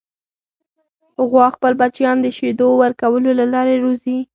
غوا خپل بچیان د شیدو ورکولو له لارې روزي.